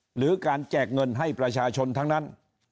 หรือการแจกเงินให้ประชาชนทั้งนั้น